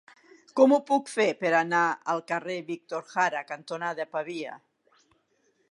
Com ho puc fer per anar al carrer Víctor Jara cantonada Pavia?